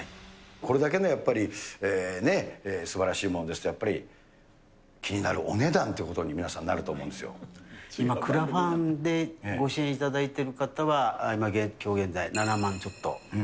これだけのやっぱり、すばらしいものですと、やっぱり気になるお値段ということに皆さん、今クラファンでご支援いただいている方は、きょう現在、７万ちょっと。